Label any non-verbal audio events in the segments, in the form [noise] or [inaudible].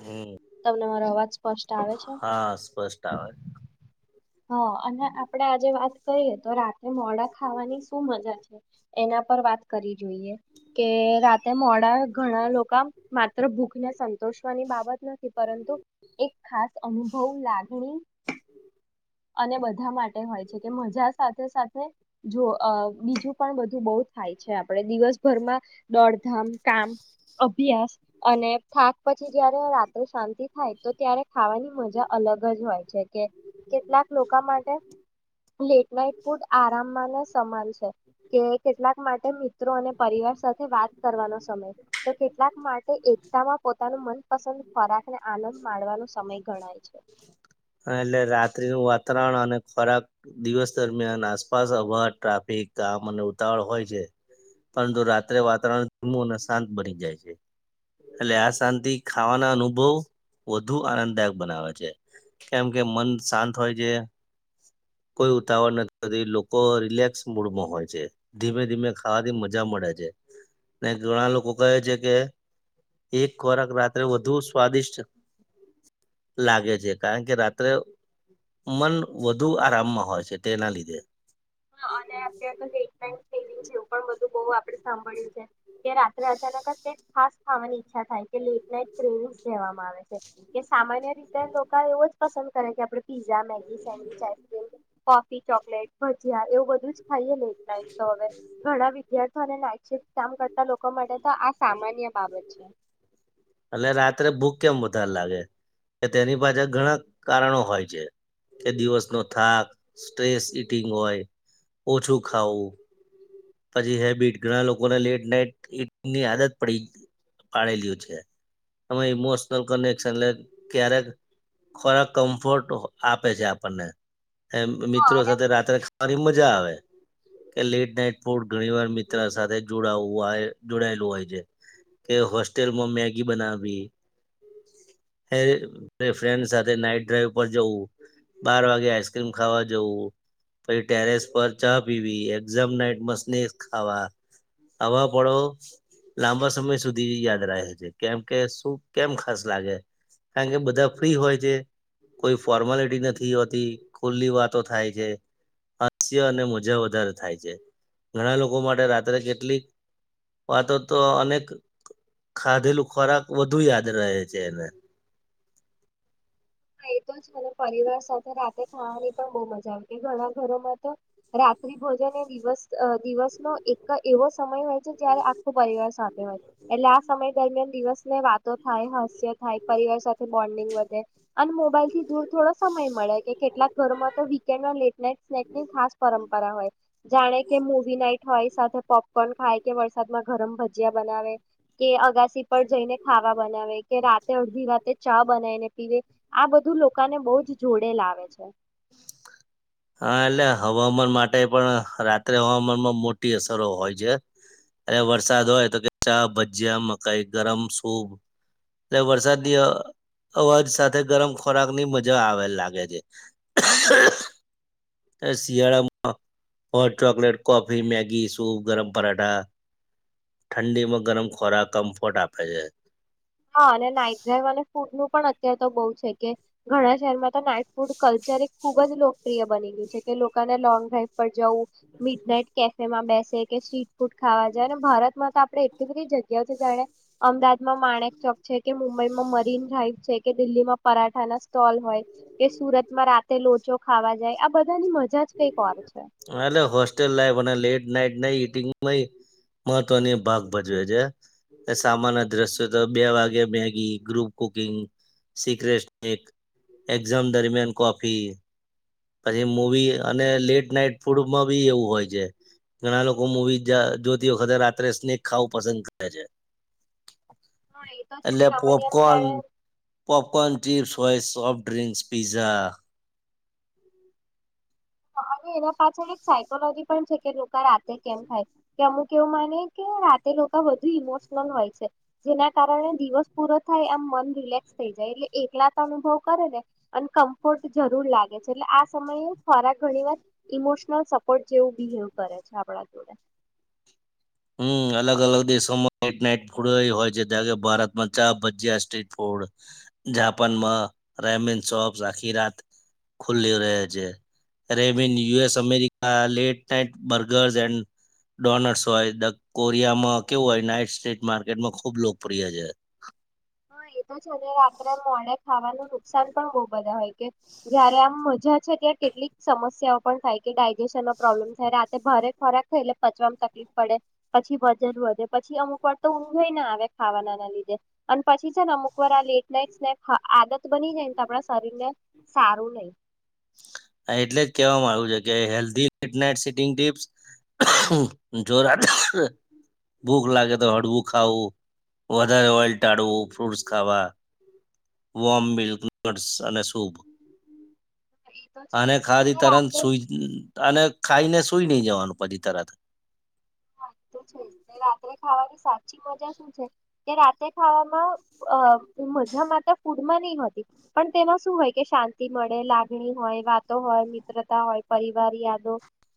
હમ તમને મારો અવાજ સ્પષ્ટ આવે છે? હા સ્પષ્ટ આવે હં અને આપડે આજે વાત કરીએ તો રાતેે મોડા ખાવાની શું મજા છે, એના પર વાત કરી જોઈએ કે રાતે મોડા ઘણા લોકા માત્ર ભૂખને સંતોષવાની બાબત નથી, પરંતુ એક ખાસ અનુભવ લાગણી અને બધા માટે હોય છે કે મજા સાથે સાથે જો બીજું પણ બધું બઉ થાય છે આપણે દિવસભરમાં દોડધામ, કામ, અભ્યાસ. અને થાક પછી જયારે રાત્રે શાંતિ થાય, તો ત્યારે ખાવાની મજા અલગ જ હોય છે કે કેટલાક લોકા માટે લેટ નાઈટ ફૂડ આરામમાં ને સમાન છે કે કેટલાક માટે મિત્રો અને પરિવાર સાથે વાત કરવાનો સમય તો કેટલાક માટે એકતામાં પોતાનું મનપસંદ ખોરાકને આનંદ માણવાનો સમય ગણાય છે. હાં એટલે રાત્રિનુ વાતાવરણ અને ખોરાક દિવસ દરમિયાન આસપાસ અવા ટ્રાફિક ગામ અને ઉતાવળ હોય છે, પરંતુ રાત્રે વાતાવરણ ધીમું અને શાંત બની જાય છે એટલે આ શાંતિ ખાવાના અનુભવ વધુ આનંદદાયક બનાવે છે. કેમ કે મન શાંત હોય છે, કોઈ ઉતાવળ નથી હોતી, લોકો રિલેક્સ મૂડમાં હોય છે, ધીમે ધીમે ખાવાથી મજા મળે છે ને ઘણા લોકો કહે છે કે એક ખોરાક રાત્રે વધુ સ્વાદિષ્ટ લાગે છે. કારણ કે રાત્રે મન વધુ આરામમાં હોય છે તેના લીધે અને અ તો બો આપડે સાંભળ્યું છે. કે રાત્રે અચાનક છે કે ખાસ ખાવાની ઈચ્છા થાય કે લેટ નાઈટ ક્રાવિંગ કહેવામાં આવે છે કે સામાન્ય રીતે લોકો એવો જ પસંદ કરે કે આપ. Pizza Maggi sandwich ice cream coffee. Chocolate. જ હા એવું બધું જ. થાઈએ ને એટલાય તો હવે ઘણા વિદ્યાર્થી. નાઇટ શિફ્ટ કામ કરતા લોકો માટે. તો આ સામાન્ય બાબત છે. એટ રાત્રે ભૂખ કેમ વધારે લાગે કે તેની પાછળ ઘણા કારણો હોય છે કે દિવસનો થાક સ્ટ્રેસ ઇટિંગ હોય ઓછું ખાવું. પછી હેબિટ ઘણા લોકોને લેટ નાઈટ ની આદત પડી પાડેલી છે ત ઇમોશનલ કનેક્શન ક્યારેક ખોરાક કમ્ફર્ટ આપે છે આપણને. એ હા મિત્રો અને સાથે રાત્રે. માારી મજા આવે કે લેટ નાઈટ. ઘણી વાર મિત્ર સાથે જોડું જોડાયેલું હોય છે કે હોસ્ટેલમાં મેગી બનાવી ફ્રેન્ડ સાથે નાઈટ ડ્રાઈવ પર જવું બાર વાગે આઈસક્રીમ ખાવા જવું પછી ટેરેસ પર ચા પીવી એક્ષામ ટાઈમ મસતિ ખાવા આવા પળો લાંબા સમય સુધી યાદ રહે છે કેમ કે શું કેમ ખાસ લાગે કારણ કે બધા ફ્રી હોય છે કોઈ ફોર્માલિટી નથી હોતી ખુલ્લી વાતો થાય છે હાસ્ય અને મજા વધારે થાય છે. ઘણા લોકો માટે રાત્રે કેટલીક વાતો તો અનેક ખાધેલું ખોરાક વધુ યાદ રહે છે એને. હા એ તો જ મને પરિવાર સાથે રાતે ખાવાની પણ બહું મજા આવેતી ઘણા ઘરોમાં તો રાત્રિ ભોજન એ દિવસ દિવસનો એક એવો સમય હોય. જયારે આખો પરિવાર સાથે. એટલે આ સમય દરમિયાન દિવસને વાતો થાય હાસ્ય થાય પરિવાર સાથે બોન્ડિંગ વધે. અને મોબાઈલથી દૂર થોડો સમય મળે કે કેટલાક ઘરમાં તો વીકેન્ડ લેટ નાઈટ સ્નેકની ખાસ પરંપરા હોય, જાણે કે મવી નાઈટ હોય સાથે પોપકોર્ન ખાય કે વરસાદમાં ગરમ ભજીયા બનાવે, કે અગ રસી પર જઈને ખાવા બનાવે કે રાતે અડધી રાતે ચા બનાવીને પીવે. આ બધ બું લોકોને બહ જ જોડે લાવે છે. હા એટલે હવામાન માટે પણ રાત્રે હવામાનમાં મોટી અસરો હોય છે, એટલે વરસાદ હોય તો કે ચા ભજીયા મકાઈ ગરમ સૂભ એટલે વરસાદની અવાજ સાથે ગરમ ખોરાક ની મજા આવેલ લાગે છે, શિયાળામાં hot chocolate coffee Maggi soup ગરમ પરાઠા, ઠંડીમાં ગરમ ખોરાક કમ્ફર્ટ આપે છે. હા અને નાઇટ ડ્રાઈ અને ફૂડ નું પણ અત્યારે તો બહુ છે કે, ઘણા શહેરમાં તો નાઈટ ફૂડ કલ્ચર એક ખુબ જ લોકપ્રિય બની ગયું છે કે લોકોને લોંગ ડ્રાઈવ પર જવું. મીટ નાઇટ કે તેમાં બેસે કે સ્ટ્રીટ ફૂડ ખાવા જાય અને ભારતમાં તો આપડણે એટલી બધી જગ્યાઓ છે જાણે, અમદાવાદમાં માણે ચોક છે કે મુંબઈમાં મરીન ડ્રાાઈવ છે કે દિલ્હીમાં પરાઠા ના સ્ટોલ હોય, કે સુરતમાં રાતે લોચો ખાવા જાય આ બધાની મજા જ કઈક ઓર છે. હ એલે હોસ્ટેલ લાઈફ અને લેટ નાઈટ નઈટ મહત્વની ભાગ ભજવે છે, સામાન દ્રશ્યો તો બે વાગ્યે Maggi group cooking, secret exam દરમિયાન કોફી, પછી મવી અને લેટ નાઈટ ફૂડમાં બી એવું હોય છે, ઘણા લોકો મવી જોતીખતેર રાત્રે સ્નેક ખાવું પસંદ કરે છે. હા એ તો છે એટલે સામાન્ય આમ પોપકોર્ન, જાણે પોપકોર્ન ચિપ્સ કોઈ સોફ્ટ ડ્રિંક્સ પિઝા હા અને એના પાછળ એક સાયકોલોજી પણ છે કે લોકો રાતે કેમ ખાય, કે અમુક એવું માને કે રાતે લોકો વધુ ઇમોશનલ હોય છે, જેના કારણે દિવસ પૂરો થાય એમ મન રિલેક્સ થઈ જાય એટલે એકલાતા અનુભવ કરે ને અને કમ્ફર્ટ જરૂર લાગે છે, એટલે આ સમયે ખોરાક ઘણી વાર ઇમોશનલ સપોર્ટ જેવું બિહેવ કરે છે આપણા જોડે. હમ્મ, અલગ-અલગ દેશોમાં લેટ નાઈટ ફૂડ એય હોય છે. [unintelligible] ભજીયા, સ્ટ્રીટ ફૂડ. જાપાનમાં રેમિન શોપ્ આખી રાત ખુલ્લી રહે છે. Ramen US America late night burgers and ડોનલસ હોય દ કોરિયામાં કેવું હોય નાઈટ સ્ટ્રીટ માર્કેટમાં ખુબ લોકપ્રિય છે. હા એ તો છે ને રાત્રે મોડે ખાવાનું નુકસાન પણ બહુ બધા હોય, કે જયારે આમ મજા છે ત્યાં કેટલીક સમસ્યાઓ પણ થાય, કે ડાયજેશનનો પ્રોબ્લેમ થાય, રાતે ભારે ખોરાક ખાઈ એટલે પચવાવામાં તકલીફ પડે, પછી વજન વધે, પછી અમુક વાર તો ઊંઘ એય ના આવે ખાવાના ના લીધે. અને પછી છે ને અમુક વાર આ લેટ નાઈટ સ્નેક આ આદત બની જાયને આપણા શરીર ને સારું નઈ. હા એટલે જ કહેવામાં આવ્યું છે કે હેલ્ધી નીટલે સિટીંગ ટીપ્સ જો રા ભૂખ લાગે તો હળવું ખાવું, વધારે ઓઈલ ટાળવું, ફ્રુટ્સ ખાવા, વોમ મિલ્ક, નટસ અને સૂપ એ તો છે અને ખાવાથી તરંત રાતે સુઈ અને ખાઈને સુઈ નહ જવાનું પછી તરત. આ તો છે જ કે રાત્રે ખાવાની સા પછી મજા શું છે. તે રાતે ખાવામાં અહ મજા માત ફૂડમાં નહી હોતી, પણ તેમાં શું હોય કે શાંતિ મળે, લાગણી હોય, વાતો હોય, મિત્રતા હોય, પરિવાર, યાદો,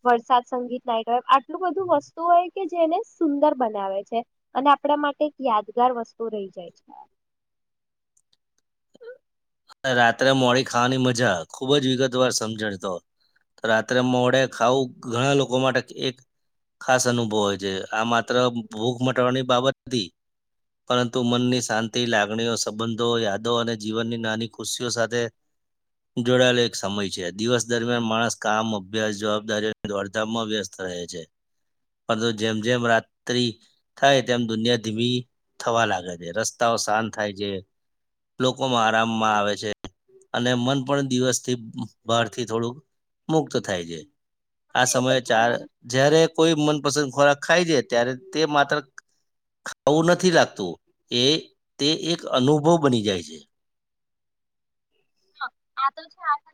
વરસાદ, સંગીત નાઈટ હોય આ એટલું બધું વસ એટલે કે જેને સુંદર બનાવે છે, અને આપણા માટે એક યાદગાર વસ્તુ રહી જાય છે. અને રાત્રે મોડી ખાવાની મજા ખુબ જ વિગતવાર સમજણ તો, રાત્રે મોડે ખાવું ઘણા લોકો માટે એક ખાસ અનુભવ હોય છે. આ માત્ર ભૂખ મટાવાની બાબત નથી, પરંતુ મનની શાંતિ, લાગણીઓ, સંબંધો યાદો અને જીવનની નાની ખુશીઓ સાથે જોડાયેલો એક સમય છે. દિવસ દરમિયાન માણસ કામ, અભ્યાસ, જવાબદારીની દોડધામમાં વ્યસ્ત રહે છે, પરંતુ જેમ-જેમ રાત્રિ થાય તેમ દુનિયા ધીમી થવા લાગે છે. રસ્તાઓ શાંત થાય છે, લોકોમાં આરામ માં આવે છે અને મન પણ દિવસથી બહારથી થોડુંક મુક્ત થાય છે. આ હા એ તો સમયે છે ચાર અને જયારે કોઈ મન પસંદ ખોરાક ખાય છે ત્યારે તે માત્ર ખાવું નથી લાગતું, એ તે એક અનુભવ બની જાય છે. આ તો છે આપ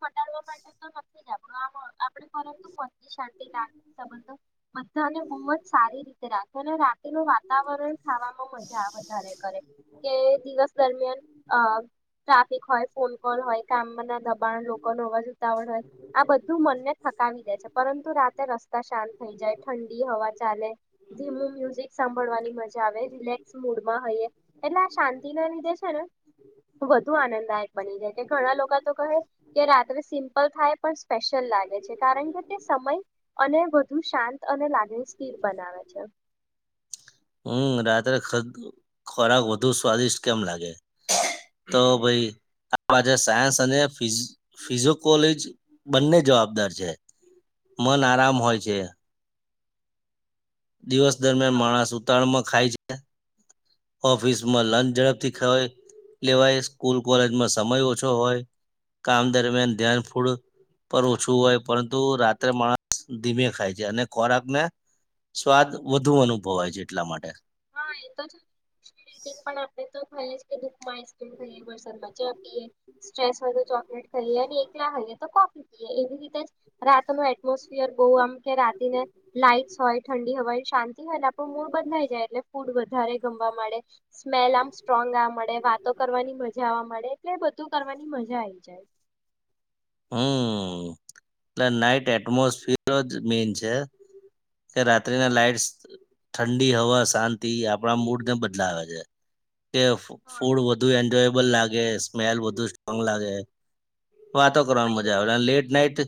ઘટાડવા માટે તો નથી જ આપ આ આપ પરંતુ મન શાંતિ લાગબંધ બધાને બહુ જ સારી રીતે રાખે અને રાતેનું વાતાવરણ. [unintelligible] ખાવામાં મજા વધારે કરે. કે દિવસ દરમિયાન અ ટ્રાફિક હોય. ફોન કોલ હોય કામ ના દબાણ લોકો હોવા જો તાવણ હોય, આ બધું મનને થકાવી દે છે. પરંતુ રાતે રસ્તા શાંત થઈ જાય ઠંડી હવા ચાલે, ધીમું મ્યુઝિક સાંભળવાની મજા આવે રિલેક્સ મૂડમાં હઈએ, એટલે આ શાંતિ ના લીધે છે ને વધુ આનંદાયક બની જાય કે ઘણા લોકા તો કહે કે રાત્રે સિમ્પલ થાય પણ સ્પેશિયલ લાગે છે, કારણ કે તે સમય અને વધુ શાંત અને લાગણી સ્થિર બનાવે છે. હમ રાત્રે ખદ- ખોરાક વધુ સ્વાદિષ્ટ કેમ લાગે તો ભાઈ આ પાછ સાયન્સ અને ફિઝકોલોજ બંને જવાબદાર છે, મન આરામ હોય છે દિવસ દરમિયાન હા માણસ ઉતાળમાં ખાય છે, ઓફિસમાં લંચ ઝડપથી ખવાય લેવાય સ્કૂલ કોલેજમાં સમય ઓછો હોય કામ દરમિયાન ધ્યાન ફૂડ પર ઓછું હોય, પરંતુ રાત્રે માણસ ધીમે ખાય છે અને ખોરાક ને સ્વાદ વધુ અનુભવાય છે, એટલા માટે. હા એ પણ આપણે તોએ કે દુઃખમાં આઈમ ખાઈએ વરસાદમાં ચ પીએ સ્ટ્રેસ હોય તો ચોકલેટ ખાઈએ અને એકલા ખાઈએ તો કોફી પીએ, એવી રીતે જ રાત ન એટમોસફિયર બહુ આમ કે રાતીને લાઈટસ હોય ઠંડી હોવાય શાંતિ હોય આપણું મૂળ બદલાઈ જાય એટ ફૂડ વધારે ગમવા મળે સ્મેલ આમ સ્ટ્રોંગ આવા મળડે વાતો કરવાની મજા આવા મળે, એટલે બધું કરવાની મજા આવી જાય. હમ એટલે નાઈટ એટમોસફિયર જ મેન છે, કે રાત્રિના લાાઈટ ઠંડી હવા શાંતિ આપણા મૂડને બદલાવે છે. હા ફૂડ વધુ એન્જોય બ લાગે સ્મેલ બધું સ્ટ્રોંગ લાગે વાત કરવા હા એ મજા આવે લેટ નાટ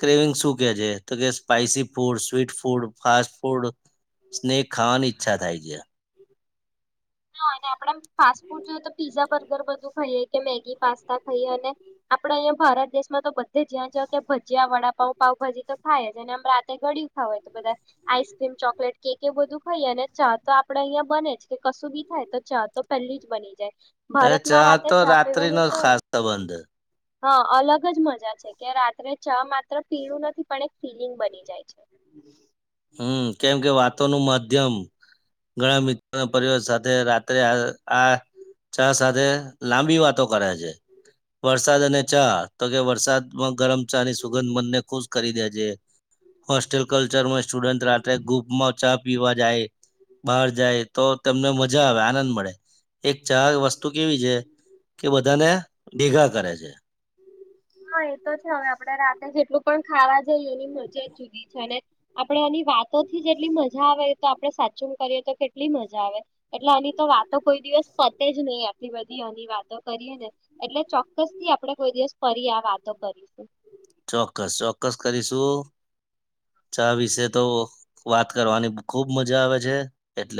ક્રેવિંગ શું કે છે તો કે spicy food, sweet food, fast food snack ખાવાની ઈચ્છા થાય છે. હ અને આપણેે ફાસ્ટ ફૂડ જોએ તો પીઝા બર્ગર બધું ખાઈએ, કે મેગી પાસ્તા ખાઈએ અને આપડે અહંયા ભારત દેશમાં તો બધે જ્યાં જ કે ભજીયા વડાપઉ પાઉભાજી તો ખાય જ અને આમ રાતે ગળિયું ખાવય તો બધા આઈસક્રીમ ચોકલેટ કેક એું બધું ખાઈએ અને ચા તો આપડે અહંયા બને જ કે કશું બી થાય તો ચા તો પેહેલી જ બની જાય. એ ભારતમાં રાતે ચાહતો ચા પીવાની રાત્રિનો જ તો ખાસ સંબંધ હા અલગ જ મજા છે કે રાત્રે ચા માત્ર પીણું નથી પણ એક ફીલિંગ બની જાય છે. હમ કેમ કે વાતો નું માધ્યમ ઘણા મિત્રોના પરિવાર સાથે રાત્રે આ આ ચા સાથે લાંબી વાતો કરે છે, વરસાદ અને ચા તો કે વરસાદમાં ગરમ ચા ની સુગંધ મનને ખુશ કરી દે છે હોસ્ટેલ કલ્ચરમાં સ્ટુડન્ટ રાત્રે ગ્રુપમાં ચા પીવા જાય બહાર જાય તો તને મજા આવે આનંદ મળે, એક ચા વસ્તુ કેવી છે કે બધાને ભેગા કરે છે. હા એ તો છે હવે આપડે રાતે જેટલું પણ ખાવા જઈએ એની મજા જ જુદી છે, ને આપડે એની વાતોથી જેટલી મજા આવે, તો આપડે સાચું કરીએ તો કેટલી મજા આવે એટલે આની તો વાતો કોઈ દિવસ પતે જ નહી, આટલી બધી આની વાતો કરીએ ને એટલે ચોક્કસ થી આપડે કોઈ દિવસ કરીરી આવ વાતો કરીશું. ચોક્કસ ચોક્કસ કરીશું ચા વિશે તો વાત કરવાની ખુબ મજા આવે છે એટલે